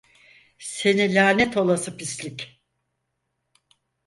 Seni lanet olası pislik!